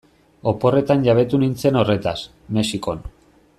Oporretan jabetu nintzen horretaz, Mexikon.